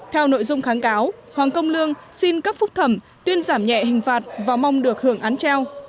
theo nội dung kháng cáo hoàng công lương xin cấp phúc thẩm tuyên giảm nhẹ hình phạt và mong được hưởng án treo